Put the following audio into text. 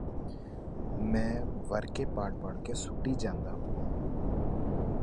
ਮੈਂ ਵਰਕੇ ਪਾੜ ਪਾੜ ਕੇ ਸੁੱਟੀ ਜਾਂਦਾ